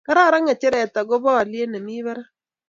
Kararan ngecheret ako bo olyet ne mi barak